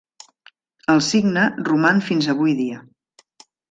El Cigne roman fins avui dia.